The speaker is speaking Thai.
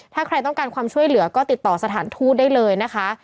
ถ้าใครต้องการความช่วยเหลือก็ติดต่อสถานทูตได้เลยนะคะ